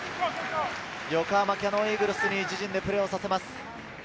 横浜キヤノンイーグルスに自陣でプレーさせます。